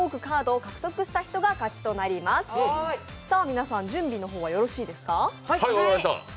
皆さん、準備の方はよろしいですか？